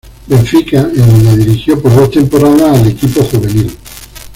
Benfica, en donde dirigió por dos temporadas al equipo juvenil.